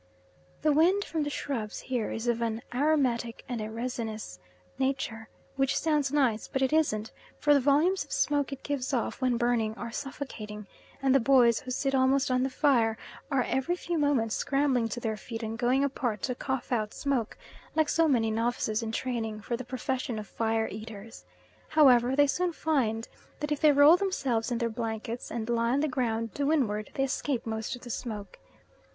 The wood from the shrubs here is of an aromatic and a resinous nature, which sounds nice, but it isn't; for the volumes of smoke it gives off when burning are suffocating, and the boys, who sit almost on the fire, are every few moments scrambling to their feet and going apart to cough out smoke, like so many novices in training for the profession of fire eaters. However, they soon find that if they roll themselves in their blankets, and lie on the ground to windward they escape most of the smoke.